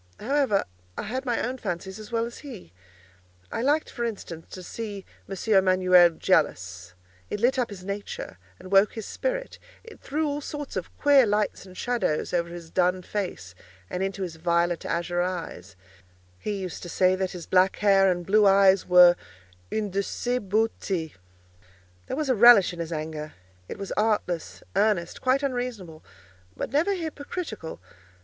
However, I had my own fancies as well as he. I liked, for instance, to see M. Emanuel jealous; it lit up his nature, and woke his spirit; it threw all sorts of queer lights and shadows over his dun face, and into his violet azure eyes (he used to say that his black hair and blue eyes were "une de ses beautés"). There was a relish in his anger; it was artless, earnest, quite unreasonable, but never hypocritical.